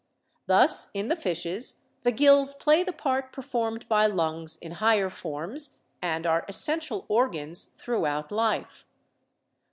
Thus in the fishes the gills play the part performed by lungs in higher forms, and are essential organs throughout life.